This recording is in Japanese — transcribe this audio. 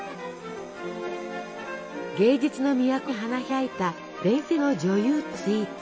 芸術の都に花開いた伝説の女優とスイーツ。